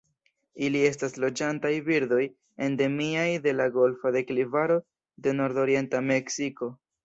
Ili estas loĝantaj birdoj endemiaj de la Golfa deklivaro de nordorienta Meksiko.